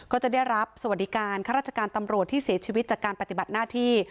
ก็จะได้รับสวัสดิการข้าราชการตำรวจที่เสียชีวิตจากการปฏิบัติหน้าที่